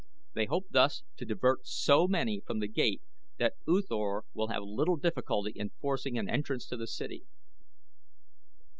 They hope thus to divert so many from The Gate that U Thor will have little difficulty in forcing an entrance to the city."